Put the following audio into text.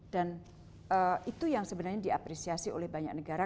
dan itu yang sebenarnya diapresiasi oleh banyak negara